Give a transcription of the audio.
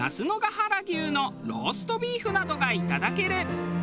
原牛のローストビーフなどがいただける。